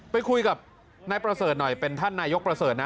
ไปคุยกับนายประเสริฐหน่อยเป็นท่านนายกประเสริฐนะ